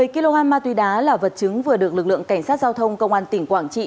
một mươi kg ma túy đá là vật chứng vừa được lực lượng cảnh sát giao thông công an tỉnh quảng trị